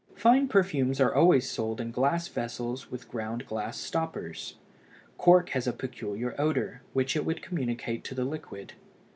Fine perfumes are always sold in glass vessels with ground glass stoppers; cork has a peculiar odor which it would communicate to the liquid.